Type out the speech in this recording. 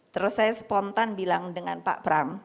terus saya spontan bilang dengan pak pram